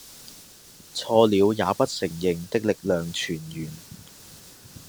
錯了也不承認的力量泉源